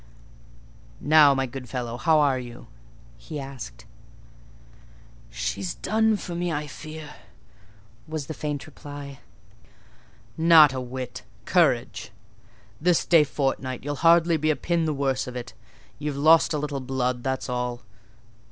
"Now, my good fellow, how are you?" he asked. "She's done for me, I fear," was the faint reply. "Not a whit!—courage! This day fortnight you'll hardly be a pin the worse of it: you've lost a little blood; that's all.